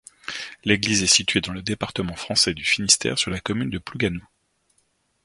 L'église est située dans le département français du Finistère, sur la commune de Plougasnou.